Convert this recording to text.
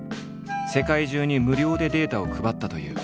世界中に無料でデータを配ったという。